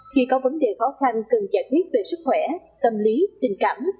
khi có vấn đề khó khăn cần giải quyết về sức khỏe tâm lý tình cảm